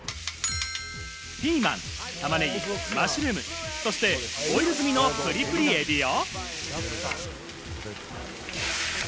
ピーマン、玉ねぎ、マッシュルーム、そしてボイル済みのプリプリエビを。